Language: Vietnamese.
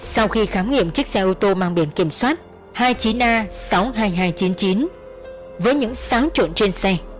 sau khi khám nghiệm chiếc xe ô tô mang biển kiểm soát hai mươi chín a sáu mươi hai nghìn hai trăm chín mươi chín với những sáng trộn trên xe